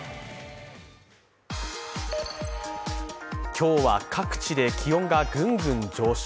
今日は各地で気温がぐんぐん上昇。